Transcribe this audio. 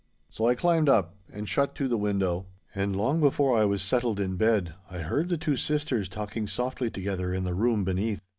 So I climbed up and shut to the window, and long before I was settled in bed I heard the two sisters talking softly together in the room beneath.